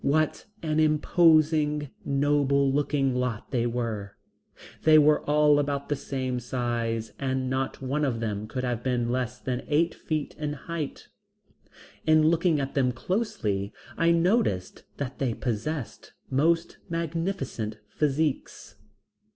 What an imposing, noble looking lot they were. They were all about the same size and not one of them could have been less than eight feet in height. In looking at them closely, I noticed that they possessed most magnificent physiques.